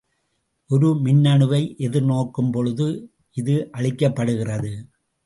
ஒரு மின்னணுவை எதிர் நோக்கும் பொழுது இது அழிக்கப்படுகிறது.